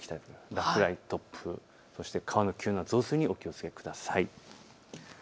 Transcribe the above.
落雷、突風、そして川の急な増水にお気をつけください。